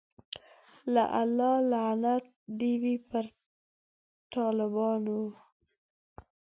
د الله لعنت دی وی په ټالبانو